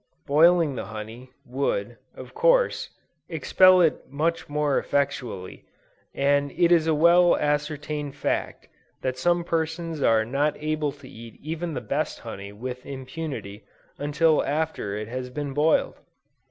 Boiling the honey, would, of course, expel it much more effectually, and it is a well ascertained fact that some persons are not able to eat even the best honey with impunity, until after it has been boiled!